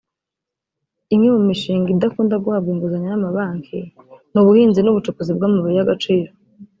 Imwe mu mishinga idakunda guhabwa inguzanyo n’amabanki ni ubuhinzi n’ubucukuzi bw’amabuye y’agaciro